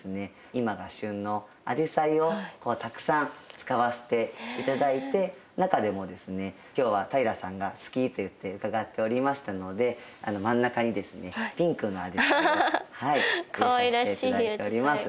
今が旬のアジサイをたくさん使わせて頂いて中でもですね今日は平さんが好きといって伺っておりましたので真ん中にですねピンクのアジサイを入れさせて頂いております。